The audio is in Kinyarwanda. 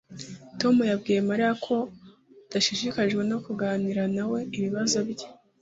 Tom yabwiye Mariya ko adashishikajwe no kuganira nawe ibibazo bye.